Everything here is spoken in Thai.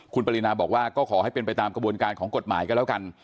คุณปรินาบอกว่าก็ขอให้เป็นไปตามกระบวนการของกฎหมายก็แล้วกัน